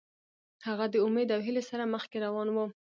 هغه د امید او هیلې سره مخکې روان و.